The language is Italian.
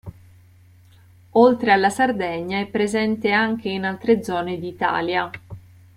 Oltre alla Sardegna, è presente anche in altre zone d'Italia.